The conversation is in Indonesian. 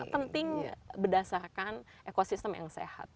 penting berdasarkan ekosistem yang sehat